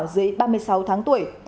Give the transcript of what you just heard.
dưới ba mươi sáu tháng tuổi